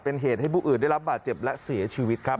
เป็นเหตุให้ผู้อื่นได้รับบาดเจ็บและเสียชีวิตครับ